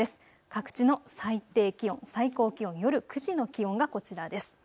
各地の最低気温、最高気温、夜９時の気温がこちらです。